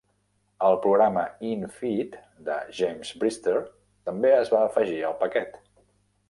El programa "innfeed", de James Brister, també es va afegir al paquet.